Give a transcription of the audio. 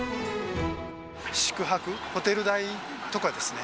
宿泊、ホテル代とかですね。